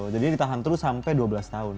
jadi dia ditahan terus sampe dua belas tahun